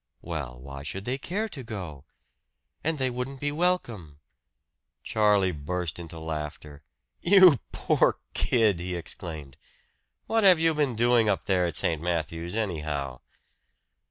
"Well, why should they care to go? And they wouldn't be welcome " Charlie burst into laughter. "You poor kid!" he exclaimed. "What have you been doing up there at St. Matthew's, anyhow?"